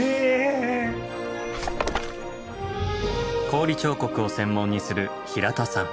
氷彫刻を専門にする平田さん。